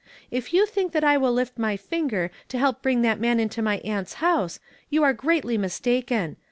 If you think that I will lift my linger to help bring that man into my aunts house, you are greatly mistaken.